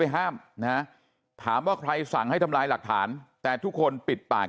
ห้ามนะถามว่าใครสั่งให้ทำลายหลักฐานแต่ทุกคนปิดปาก